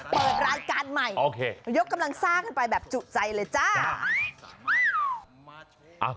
เปิดรายการใหม่ยกกำลังซ่ากันไปแบบจุใจเลยจ้า